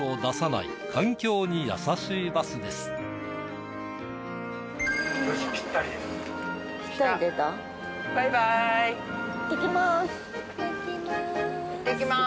いってきます。